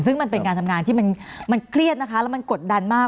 ซึ่งเป็นการทำงานที่เครียดและกดดันมาก